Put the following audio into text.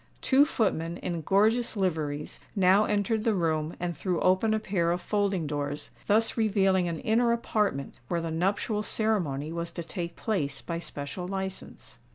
Two footmen, in gorgeous liveries, now entered the room and threw open a pair of folding doors, thus revealing an inner apartment where the nuptial ceremony was to take place by special license.